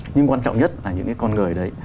nhưng quan trọng nhất là những cái con người đấy